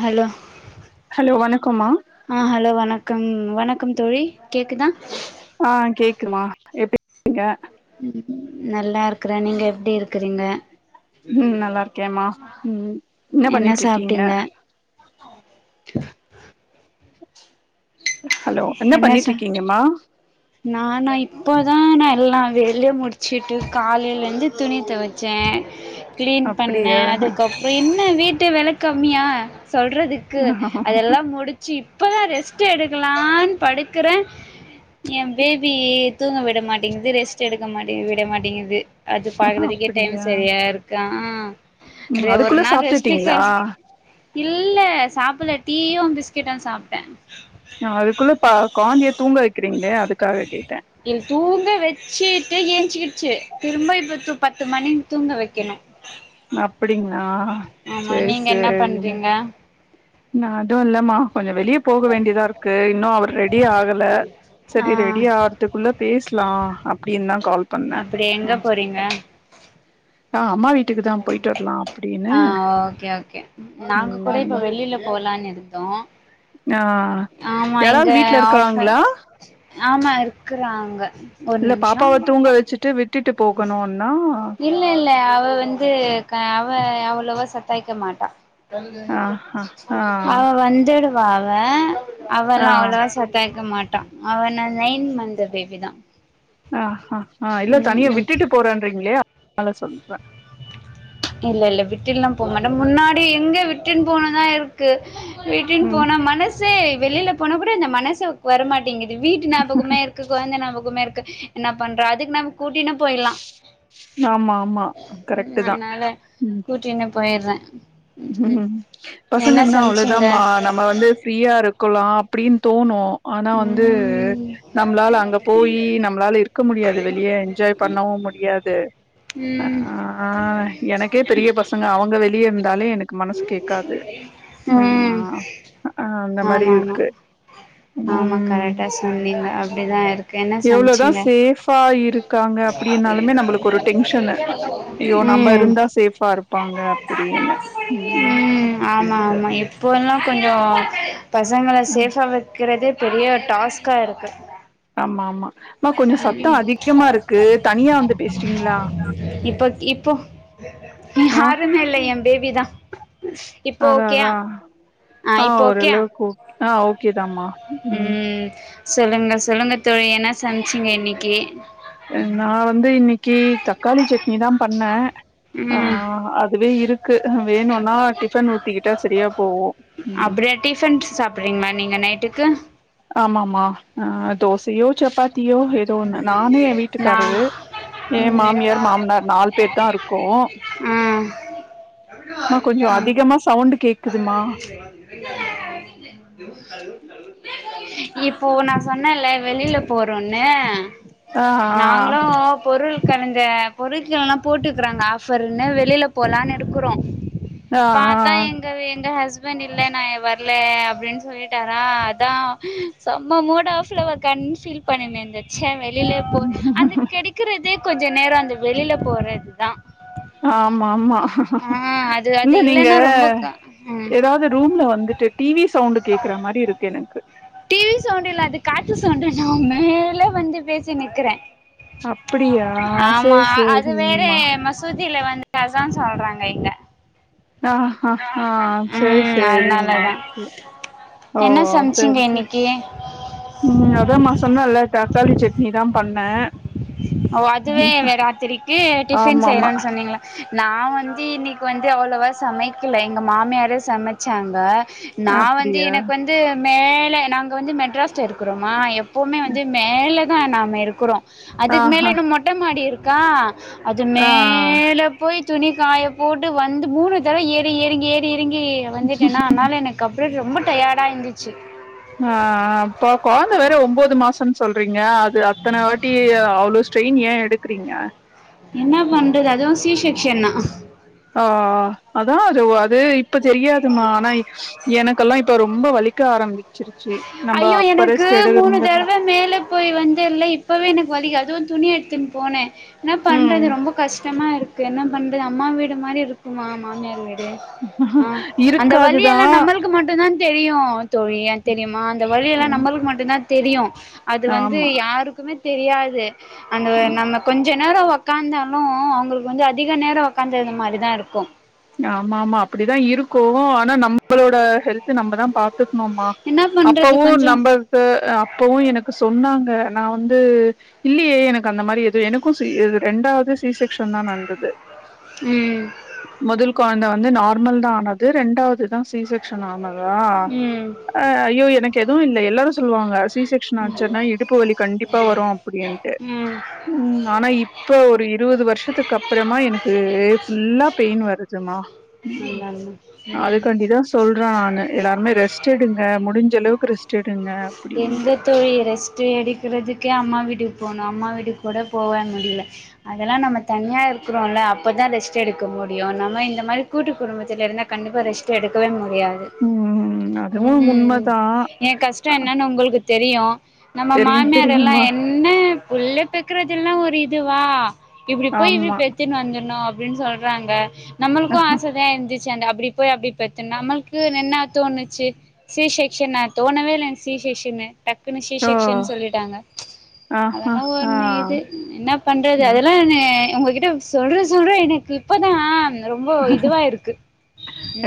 hello hello வணக்கம்மா ஆ hello வணக்கம் வணக்கம் தோழி கேக்குதா ஆ கேக்குதுமா எப்டி இரு க நல்லா இருக்குறே நீங்க எப்டி இருக்குறீங்க ம் நல்லா இருக்கேம்மா ம் என்ன பண்ணிட்டு இருக்கீங்க சாப்டிங்க ஹலோ என்ன பண்ணிட்டு சொல்றிங் இருக்கீங்கம்மா நான இப்போதா நான் எல்லா வெளியு முடிச்சுட்டு காலைலயிந்து துணி துவைச்சே க்ளீன் பண்ணே அப்டியா அதுக்கப் என்ன வீட்டு வேல கம்மியா சொல்றதுக்கு அதெல்லா முடிச் ச்சி இப்பதா ரெஸ்ட் எடுக்கலான்னு படுக்கிறே என் பேபி தூங்க விட மாட்டேங்குது ரெஸ்ட் எடுக்க மாட்டேங் விட மாட்டேங்குது அது பார்க்குறதுகே டைம் அப்டியா சரியா இருக்கு ஆ ஹா ம் என்ன ஒரு அதுக்குள்ள நாள் ரெஸ்ட்க் க சாப்ட்டுட்டீங்களா இல்ல சாப்புல டீயு பிஸ்கட்டு சாப்பிட்டே அதுகுள்ள பா குழந்தைய தூங்க வைக்கிறீங்களே அதுக்காக கேட்டே இல் தூங்க வச்சுட்டு என்ச்சிடுச்சு திரும்ப இப்ப பத்து மணி தூங்க வைக்கணு அப்படிங்கள் ஆமா சேரி நீங்க என்ன சேரிங்க பண்றீங்க நாஅதுவும் இல்லம்மா கொஞ்சோ வெளிய போக வேண்டியதா இருக்கு இன்னு அவர் ரெடி ஆகல ஆ சரி ரெடியா ஆ றது இட்டுகுள்ள பேசலா அப்டின்னு தா கால் பண்ணே அப்டி எங்க போறீங்க நா அம்மா வீட் ஆ ஓகே ஓகே நாங்க கூட ம் இப்ப வெளில போலான்னு இருந்தோ ஆ ஆமா யாராவது இங்க வீட்ல ஆ இருக்காங்களா ஆமா இருக்குறாங்க ஒரு இல்ல நிமிஷோ பாப்பாவ தூங்க வச்சுட்டு விட்டுட்டு போகணுனா இல்ல இல்ல அவ வந்து க அவ அவ்வளோவா சேட்டாய்க்க மாட்டா ஆ ஹா ஆ அவ வந்துடுவ அவ ஆ அவரெல அவ்வளவா சத்தாயக்க மாட்டா அவன நைன் மந்த் பேபி தான் ஆ ஹ ஆ இல்ல தனியா ம் விட்டுட்டு போறறிங்களே அத சொல்ற இல்ல இல்ல விட்டுல்லா போக மாட்ட முன்னாடி எங்க விட்டுன்னு போன நா இருக்கு வீட்டுன்னு ம் போனா மனசே வெளிலில போன கூட இந்த மனசு வர மாட்டேங்குது வீட்டு ஞாபகமே இருக்கு கொழந்த ஞாபகமே இருக்கு என்ன பண்றா அதுக் நம்ம கூட்டி ளே போயிடலாம் ஆமா ஆமா ம் கரெக்ட் தா அதுனால ம் கூட்டள்னு போயிடுற ம் ம்பசங்கன்னா அவ்ளவுதாமா நம்ம வந்து ஃப்ரீயாருக்கலா அப்டின்னு தோணு‌ ஆனா வந்து ம் நம்ளால அங்க போயி நம் மளால இருக்க முடியாது வெளிய என்ஜாய் பண்ணவு முடியாது ம் ஆ எனக்கே பெரிய பசங்க அவுங்க வெளிய இரு இதாலே எனக்கு மனசு கேக்காது ம் அ க அந்த மாரி ஆமா ஆமா இருக்கு ஆமா ம் கரெக்டா சொன்னீங்க அப்டிதா இருக் எவ்ளோதான் சேஃபா இருக்காங்க அப்படின்னாலுமே நம்பளுக்கு ஒரு டெங் ச் சொன்ன ஐயோ நம்ம ம் இருந்தா சேஃபா இருப்பாங்க அப்டின்னு ம் ஆமா ஆமா எப்போலாம் கொஞ்சோ பசங்கள சேஃபா வைக்கிறதே பெரிய டாஸ்க்க இருக் ஆமா ஆமா கொஞ்சோ சத்தோ அதிகமா இருக்கு தனியா வந்து பேசுறீங்களா இப்போ இப்போ ஆ ஆருமே இல்லயே என் பேபி தான் இப்போ அதா ஓகேயா அதா ஆ இப்போ ஓகேயா ஓரளவுக்கு ஓக் ஆ ஓகே தாமா ம் சொல்லுங்க சொல்லுங்க தோழி என்னா சமச்சிங்க இன்னிக்கி அ நா வந்து இன்னக்கி தக்காளி சட்னி தா பண்ண ஆ ம் அதுவே இருக் க்கு வேணுனா டிஃபன் ஊத்திக்கிட்டா சரியா போவு டிஃபன்ஸ் சாப்பிட்றீங்கமா நீங்க நைட்டுக்கு ஆமா ஆமா ஆ தோசயோ சப்பாத்தியோ ஏதோ ஒண்ணு நானு எ நா வீட்டுக்காரரு ஏ ம் மாமியார் மாமனார் நாலு பேர் தா இருக்கோ ம் மா கொஞ்சோ அதிகமா சவுண்ட்டு கேக்குதுமா இப்போ நா சொன்னேல வெளிலில போறோனு ஆ ஆ நாங்ளு பொருள் கலந்த பொருட்கள்லா போட்ருகாங்க ஆஃபர்ன்னு வெளிலில போலான்னு இருக்குறோ ஆ பாத்தா ஆ எங் ங்கவே எங்க ஹஸ்பண்ட் இல்ல நா வர்லே அப்டின்னு சொல்லிட்டாரா அதா செம்ம மூட் ஆஃப்ல ஒக்காந்து ஃபீல் பண்ணினின்ரிந்தே ச்ச வெளிலில போ அந்த கெடைக்கிறதே கொஞ்சோ நேரோ அந்த வெளிலில போறதுதா ஆமா ஆமா ஆ அது அது இல்ல நீங்க இல்லன்னா ரொம்ப க ம் ஏதாவது ரூம்ல வந்து ட்டு டீ வி சவுண்ட்டு கேக்குற மாரி இருக்கு எனக்கு டீவி சவுண்ட்டு இல்ல அது காத்து சவுண்ட் நா மேல வந்து பேசி நிக்கிற அப்படியா ஆமா சேரி அது வேற சேரிம்மா மசூதில வந் அசான் சொல்றாங்க இங்க ஆ ஹா ஹா சேரி ம் சேரிம்மா அதனாலதா ஓ என்ன சமைச்சீங்க செரி செரி இன்னைக்கு ம் அதா மா சொன்னல தக்காளி சட்னி தா பண்ண ஓ அதுவே ராத்திரிக்கி டிஃபின் ஆமாமா செய்றன் சொன்னீங்கள நா வந்து இன்னக்கி வந்து அவ்ளவா சமைக்கல எங்க மாமியாரு சமச்சாங்க நா வந்து அப்டியா எனக்கு வந்து மேல நாங்க வந்து மெட்ராஸ்ல இருக்குறோமா எப் போமே வந்து மேலதா நாம இருக்குறோ அதுக் மேல ஆஹா இன்னு மொட்ட மாடி இருக்கா அது ஆ மேல போய் துணி காய போட்டு வந்து மூணு தடவ ஏறி எறங்கி ஏறி எறங்கி வந்துட்டேனா அனால எனக் கப்றோ ரொம்ப டயட்டா இந்துச்சு ஆ அப்ப கொழந்த வேற ஒம்போது மாசோன் சொல்றீங்க து அத்தன வாட்டி அவ்ளோ ஸ்ட்ரெயின் ஏ எடுக்குறீங்க என்ன பண்றது அதுவு சீ செக்ஷன் நா ஆ ஆ அதா அது அது இப்ப தெரியாதுமா ஆனா எனக்கெலா இப்ப ரொம்ப வலிக்க ஆரம்பிச்சிருச்சு நம்ம ஐயோ அப்ப எனக்கு ரெஸ்ட் எடு மூணு இருந்துருந்தா தடவ மேல போய் வந்து இல்ல இப்பவே எனக்கு வலி அதுவு துணி எட்த்துன் போனே என்ன ம் பண்றது ரொம்ப கஷ்டமாருக்கு என்ன பண்றது அம்மா வீடு மாரி இருக்குமா மாமியார் வீடு ஆ அந்த வலி இருக்காதுதா எல்லா நம்மளுக்கு மட்டு தா தெரியு தோழி ஏ தெரியுமா இந்த வலியெல்லா நம்மளுக்கு மட்டுந்தா தெரியு அது வந்து ஆமா யாருக்குமே தெரியாது அந்த நம்ம கொஞ்ச நேரா ஒக்காந்தாலு அவுங்களுக்கு வந்து அதிக நேரோ ஒக்காந்த மாரி தா இருக்கூ ஆமா ஆமா அப்டிதா இருக்கூ ஆனா நம் நம்பளோட ஹெல்த்து நம்மதா பாத்துக்ணுமா என்ன பண்றது அப்பவு கொஞ்சோ நம்ப து அப்பவு‌ எனக்கு சொன்னாங்க நா வந்து இல்லயே எனக்கு அந்த மாரி எது எனக்கு சீ ரெண்டாது சீ செக்ஷன் தா நட்ந்துது ம் மொதல் கொழந்த வந்து நார்மல் தா ஆனது ரெண்டாவது தா சீ செக்ஷன் ஆனதா ம் அ ஐயோ எனக்கு எதுவு இல்ல எல்லாரு சொல்லுவாங்க சீ செக் னாச்சுன்னா இடுப்பு வலி கண்டிப்பா வரு அப்புடின்ட்டு ம் ம் ஆனா இப்ப ஒரு இருவது வருஷத்துக்கப்றமா எனக்கு ஃபுல்லா பெயின் வருதுமா நல்லால்ல ம் அதுக்காண்டிதா சொல்றே நானு எல்லாருமே ரெஸ்ட் எடுங்க முடிஞ்சளவுக்கு ரெஸ்ட் எடுங்க எங்க அப்டின்ட்டு தோழி ரெஸ்ட்டே எடுக்கிறதுக்கே அம்மா வீட்டுக்கு போணு அம்மா வீட்டுக்கூட போவே முடில அதெல்லா நம்ம தனியா இருக்கிறோல அப்போதா ரெஸ்ட் எடுக்க முடியு நம்ம இந்த மாரி கூட்டு குடும்பத்துல இருந்தா கண்டிப்பா ரெஸ்ட் எடுக்கவே முடியாது ம் அதுவு ம் உண்மதா ஏ கஷ்டோ என்னன் உங்களுக்கு தெரியு நம்ம தெரியு மாமியார் எல்லா தெரியுமா என் என்ன புள்ள பெக்குறதுல்லா ஒரு இதுவா இப்டி போயி இப்டி ஆமா பெத்துன்னு வந்துணூ அப்டின் சொல்றாங்க நம்மளுக்கூ ஆச தா எந்திரிச் சி அப்டி போய் அப்டி பெத்துனு நமளுக்கு என்ன தோணுச்சி சி செக்க்ஷனா தோணவேயில்ல சீ செக்க்ஷனு டக்குன்னு சீ ஓ செக்க்ஷன் சொல்லிட்டாங்க ஆஹா அதெல்லா ஆ ஒன்னு இது என்ன பண்றது ம் அதெல்லா நே உங்ககிட்ட சொல்ற சொல்ற எனக்கு இப்பதா ரொம்ப இதுவா இருக்கு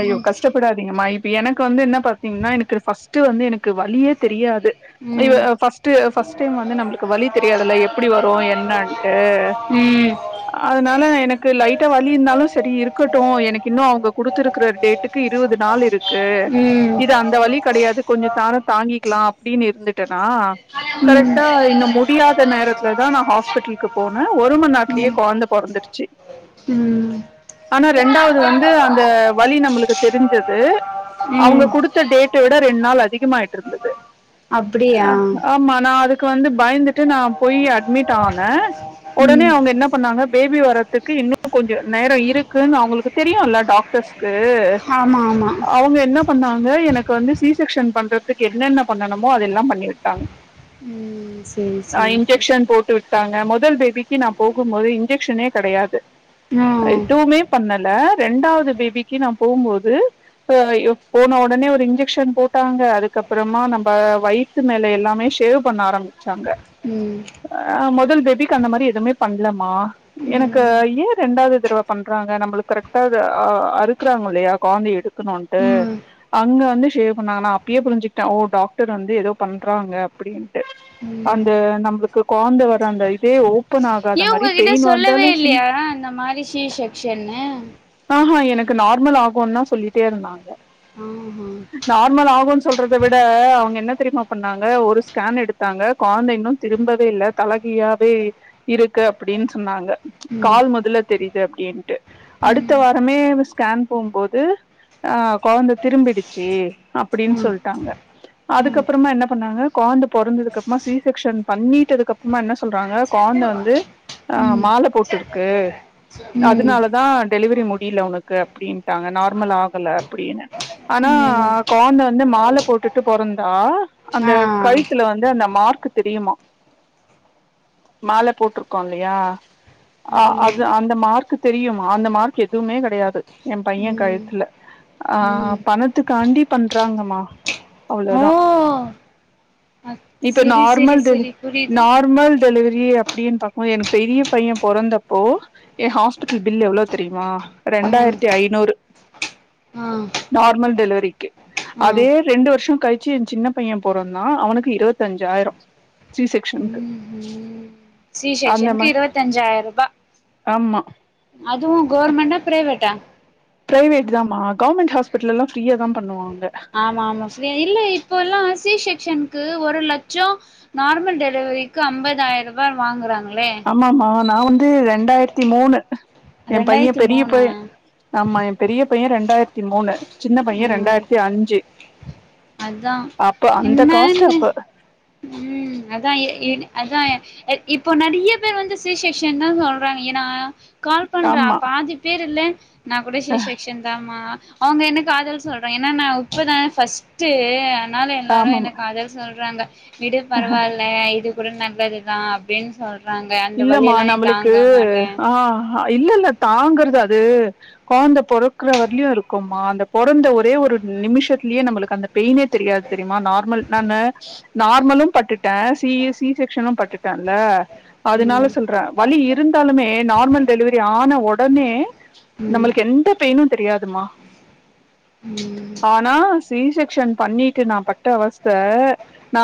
ஐயோ கஷ்டப் படாதீங்கம்மா இப்ப எனக்கு வந்து என்ன பாத்தீங்னா எனக்கு ஃபஸ்ட்டு வந்து எனக்கு வலியே தெரியாது இது ம் ஃபஸ்ட்டு ஃபஸ்ட்டைம் வந்து நம்மளுக்கு வலி தெரியாதுல எப்டி வரு என்னன்ட்டு ம் ம் அதுனால எனக்கு லைட்டா வலி இந்தாலு செரி இருக்கட்டு எனக்கு இன்னு அவுங்க குடுத்துருக் குற டேட்டுக்கு இருவது நாள் இருக்கு ம் இது அந்த வலி கிடையாது கொஞ்சோ தாரோ தாங்கிக்லா அப்டின் இருந்து ட்டனா ம் கரெக்டா இன்ன முடியாத் த நேரத்துல தா நா ஹாஸ்பிட்லுக்கு போனே ஒரு மநேரத்துலயே ம் கொழந்த பொறந்துருச்சு ம் ஆனா ரெண்டாவ்து வந்து அந்த வலி நம்மளுக்கு தெரிஞ்சது அவுங்க ம் குடுத்த டேட்ட விட ரெண்ட் நாள் அதிகமாயிட்ருந்தது அப்டியா அ ஆமா நா அதுக்கு வந்து பயந்துட்டு நா போயி அட்மிட் ஆனே ஒடனே ம் அவுங்க என்ன பண்ணாங்க பேபி வர்றதுக்கு இன்னு கொஞ்சோ நேரோ இருக்குன் அவுங்களுக்கு தெரியுல டாக்டர்ஸ் கு ஆமா ஆமா அவுங்க என்ன பண்ணாங்க எனக்கு வந்து சி செக்க்ஷன் பண்றதுக்கு என்னென்ன பண்ணனுமோ அதெல்லா பண்ணி விட்டாங்க ம் சேரி நா சேரி சேரி இன்ஜெக்ஷன் போட் டுட்டாங்க முதல் பேபிக்கு நா போகும் போது இன்ஜெக்ஷனே கெடையாது ஆ எதுவுமே பண்ணல ரெண்டாவது பேபிக்கு நா போமொது ஹ இவ் போன ஒடனே ஒரு இன்ஜெக்ஷன் போட்டாங்க அதுக்கப்றோமா நம்ம வயி த்து மேல எல்லாமே ஷேவ் பண்ண ஆரம்பிச்சாங்க உம் ஆ மொதல் பேபிக்கு அந்த மாரி எதுவுமே பண்ணல்லமா எனக்கு ம் ஏன் ரெண்டாவது தரவ பண்றாங்க நம்மளுக்கு கரெக்டா அது அறுக்குறாங்கு இல்லையா காந்தய எடு க்கணுன்ட்டு ம் அங்க வந்து ஷேவ் பண்ணாங்க நா அப்பயே புரிஞ்சுக்கிட்டே ஓ டாக்டர் வந்து ஏதோ பண்றாங்க அப்புடின்னு ம் அந்த நம்மளுக்கு கொந்த வர அந்த இதே ஓபன் ஆகாத ஏ மாதிரி உங்ககிட்ட பெயின் சொல்லவே வந்தாலு சிம் இல்லையா இந்த மாரி சி ஷெக்சன்னு ஆ அ எனக்கு நார்மல் ஆகு தா சொல்லிட்டே இருந்தாங்க ஆஹா நார்மல் ஆகு சொல்டறத விட அவுங்க என்ன தெரியுமா பண்ணாங் க ஒரு ஸ்கேன் எடுத்தாங்க காந்தைளு திரும்பவே இல்ல தலகிழாவே இருக்கு அப்டின்னு சொன்னாங்க ம் கால் மொதல தெரியுது அப்டின்ட்டு ம் அடுத்த ம் வாரமே ஸ்கேன் போம்போது ஆ கொழந்த திரும்பிடுச்சு அப்டின்னு ம் சொல்ட்டாங்க அதுக்கப்பறமா என்ன பண்ணாங்க கொந்த பொறந்ததுக்கு அப்றோமா சி செக்க்ஷன்ல பண்ணிட்டதுக்கு அப் பறமா என்ன சொல்றாங்க கான்டந்த வந்து ஆ ம் மால போட்டுருக்கு ம் அதனால தா டெலிவரி முடியுல உனக் கு அப்டின்ட்டாங்க நார்மல் ஆகல அப்டின்னு ஆனா ம் கான்ந்த வந்து மால போட்டுட்டு பொறந்தா அந்த ஆ கழுத்துல வந்து அந்த மார்க்கு தெரியுமா மால போட்டிருக்கோ இல்லையா அ ஆமா அது அந்த மார்க்கு தெரியும் அந்த மார்க் எதுவுமே கெடையாது எ பையே ம் கழுத்துல ஆ ம் பணத்துக்காண்டி பண்றாங்கம்மா அவ்ளோதா ஓ அ இப்ப செரி செரி நார்மல் டெலி செரி புரியுது நார்மல் டெலிவரி அப்படின்னு பாக்கும்போது எனக்கு பெரிய பைய பொறந்தப்போ ஏ ஹாஸ்பிட்டல் பில் எவ்ளோ தெரியுமா ஆ ரெண்டாயிரத்தி ஐநூறு ஆ நார்மல் டெலிவரிக்கு ஆ அதே ரெண்டு வருஷோ கழிச்சு என் சின்ன பைய பொறந்தா அவனுக்கு இருவத்தஞ்சா ஆயிரோ சி செக்சனுக்கு ம் ம் சி செக்சனுக்கு இருப்பத்தஞ்சா ஆயிர ரூபா ஆமா அதுவு கவர்மெண்ட்டா பிரைவேட்டா பிரைவேட் தா மா கவர்மெண்ட் ஹாஸ்பிட்டல் எல்லா ஃப்ரீயா தா பண்ணுவாங்க ஆமா ஆமா ஃப்ரீ இல்ல இப்போல்லா சி செக்சனுக்கு ஒரு லட்சோ நார்மல் டெலிவரிக்கு அம்பதாயிர ரூபா வாங்குறாங்களே அம்மாவன நா வந்து ரெண்டாயிரத்தி மூணு என் பைய ரெண்டாயிரத்தி பெரிய மூணா பைய ஆமா என் பெரிய பைய ரெண்டாயிரத்தி மூணு சின்ன பைய ம் ரெண்டாயிரத்தி அஞ்சு அதா அப்ப அந்த காஸ்ட்டு அப்ப உம் அதா எ அதா இப்போ நெறைய பேர் வந்து சி செக்க்ஷன் தா சொல்றாங்க ஏன்னா கால் பண்ற ஆமா பாதி பேர்ல்ல நா கூட சி செக்க்ஷன் தா மா அவுங்க எனக்கு காதல் சொல்றாங்க ஏன்னா நா உப்புதா ஃபஸ்ட்டு அதனால எல்லாரு என்ன ஆமாமா காத சொல்றாங்க விடு பரவா இல்ல இது கூட நல்லதுதா அப்டின்னு சொல்ற இல்லமா நம்மளுக்கு ஆ இல்ல இல்ல தாங்குறது அது கொழந்த பொறக்குற வரலயு இருக்குமா அந்த பொறந்த ஒரே ஒரு நிமிஷத்துலயே நம்மளுக்கு அந்த பெயினே தெரியாது தெரியுமா நார்மல் நானு நார்மலு பட்டுட்ட சி சி செக்க்ஷனு பட்டுட்டன்ல அதுனால சொல்ற வலி இருந்தாலுமே நார்மல் டெலிவரி ஆன ஒடனே நம்மளுக்கு எந்த பெயின்னு தெரியாதுமா ஆனா சி செக்க்ஷன் பண்ணிட்டு நா பட்ட அவஸ்த நா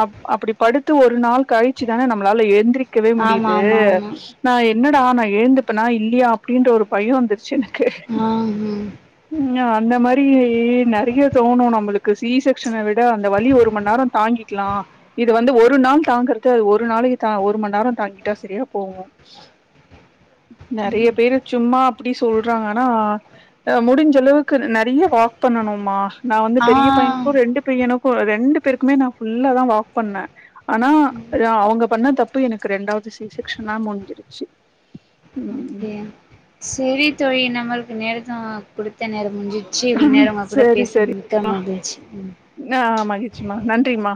அப் அப்புடி படுத்து ஒரு நாள் கழிச்சுதான நம்மளால எழுந்திரிக்கவே ஆமா முடியுது ஆமா நா என்னடா நா எழுந்துப்பேனா இல்லையா அப்புடின்ற ஒரு பயோ வந்துருச்சு எனக்கு ஆஹ அந்த மாரி நெறைய தோணு நம்மளுக்கு சி செக்க்ஷன விட அந்த வழி ஒரு மண் நேரோ தாங்கி க்லா இது வந்து ஒரு நாள் தாங்குறது ஒரு நாளைக்கு தா ஒ ஒரு மண் நேரோ தாங்கிட்டா சரியா போவு நறைய பேரு சும்மா அப்டி சொல்றாங்கனா அ முடிஞ்ச அளவுக்கு நறைய வாக் பண்ணணும்மா நா வந்து ஆ பெரிய ஆ பையனுக்கு ரெண்டு பையனுக்கு ரெண்டு பேருக்குமே நா ஃபுல்லா தா வாக் பண்ண ஆனா அவுங்க பண்ண தப் பு எனக்கு ரெண்டாவது சி செக்க்ஷனா முடிஞ்சிருச்சு ம் ம் அப்டியா செரி தோழி நம்மளுக்கு நேரத்த கொடுத்த நேரோ முடிஞ் சு இவ்ளோ நேரோ உங்க கூட சரி சரி பேசுனது மிக்க மகிழ்ச்சி ம் ஆ மகிழ்ச்சிமா நன்றிமா